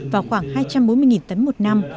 vào khoảng hai trăm bốn mươi tấn một năm